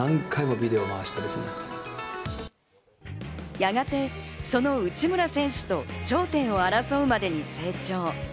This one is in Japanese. やがてその内村選手と頂点を争うまでに成長。